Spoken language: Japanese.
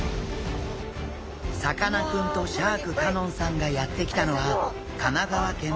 さかなクンとシャーク香音さんがやって来たのは神奈川県の小田原市場。